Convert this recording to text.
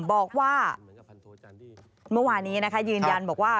บอกว่าเมื่อวานี้นะคะยืนยันบอกว่า